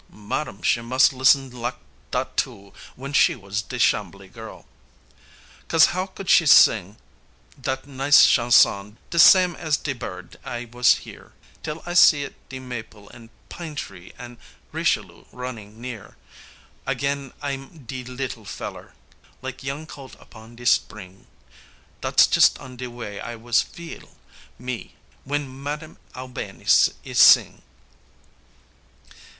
Ma dam she mus' lissen lak dat too, w'en she was de Chambly girl! Cos how could she sing dat nice chanson, de sam' as de bird I was hear, Till I see it de maple an' pine tree an' Richelieu ronnin' near, Again I'm de leetle feller, lak young colt upon de spring Dat's jus' on de way I was feel, me, w'en Ma dam All ba nee is sing!